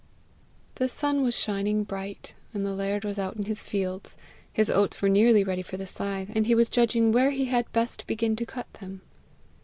The sun was shining bright, and the laird was out in his fields. His oats were nearly ready for the scythe, and he was judging where he had best begin to cut them.